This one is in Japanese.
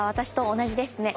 同じです。